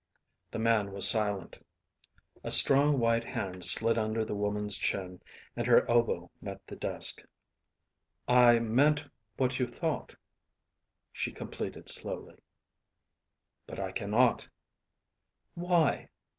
The man was silent. A strong white hand slid under the woman's chin and her elbow met the desk. "I meant what you thought," she completed slowly. "But I cannot " "Why?"